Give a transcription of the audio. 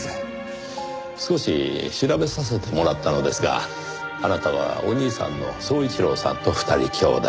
少し調べさせてもらったのですがあなたはお兄さんの宗一郎さんと２人兄弟。